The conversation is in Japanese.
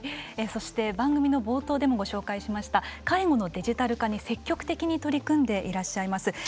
そして番組の冒頭でもご紹介しました介護のデジタル化に積極的に取り組んでいらっしゃいます